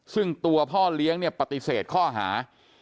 ซึ่งตัวพ่อเลี้ยงเนี่ยปฏิเสธข้อหา